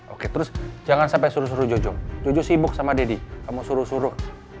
oke terus jangan sampai suruh suruh jojo jojo sibuk sama deddy kamu suruh suruh